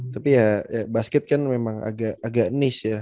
tapi ya basket kan memang agak nish ya